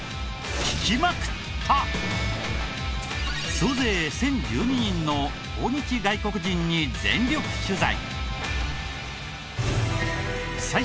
総勢１０１２人の訪日外国人に全力取材。